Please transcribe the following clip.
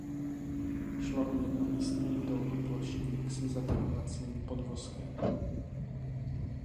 Šlo o jednomístný dolnoplošník se zatahovacím podvozkem.